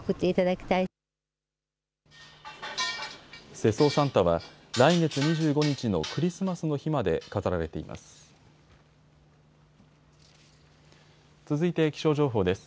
世相サンタは来月２５日のクリスマスの日まで飾られています。